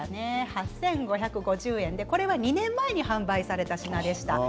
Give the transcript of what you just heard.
８５５５円２年前に販売された品でした。